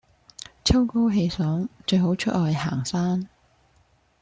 秋高氣爽最好出外行山